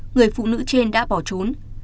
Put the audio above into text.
người phụ nữ trên đã bỏ trốn